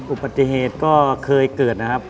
อุบัติเหตุก็เคยเกิดนะครับ